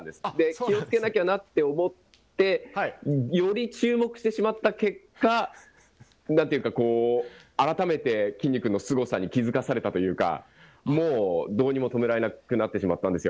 気をつけなきゃなって思って、より注目してしまった結果、なんていうか、こう、改めてきんに君のすごさに気付かされたというか、もうどうにも止められなくなってしまったんですよ。